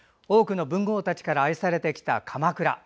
多くの文豪たちから愛されてきた鎌倉。